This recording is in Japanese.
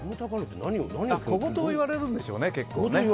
小言を言われるんですよね結構ね。